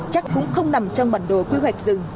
chắc cũng không nằm trong bản đồ quy hoạch rừng